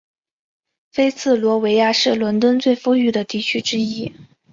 菲茨罗维亚是伦敦最富裕的地区之一。